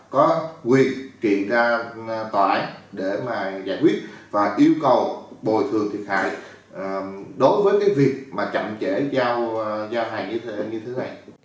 có quyền trị ra tòa án để mà giải quyết và yêu cầu bồi thường thiệt hại đối với cái việc mà chậm trễ giao hàng như thế này